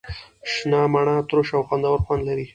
شنه مڼه ترش او خوندور خوند لري.